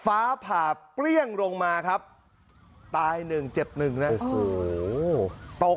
ฟ้าผ่าเปรี้ยงลงมาครับตายหนึ่งเจ็บหนึ่งนะโอ้โหตก